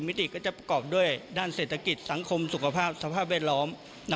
มิติก็จะประกอบด้วยด้านเศรษฐกิจสังคมสุขภาพสภาพแวดล้อม